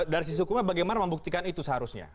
dari sisi hukumnya bagaimana membuktikan itu seharusnya